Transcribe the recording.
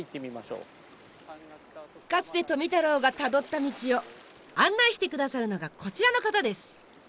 かつて富太郎がたどった道を案内してくださるのがこちらの方です！